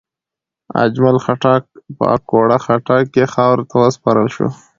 اجمل خټک په اکوړه خټک کې خاورو ته وسپارل شو.